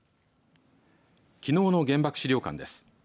きのうの原爆資料館です。